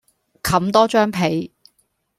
冚多張被